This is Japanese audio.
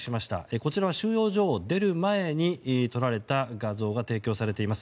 こちらは収容所を出る前に撮られた画像が提供されています。